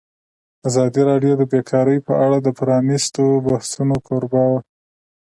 ازادي راډیو د بیکاري په اړه د پرانیستو بحثونو کوربه وه.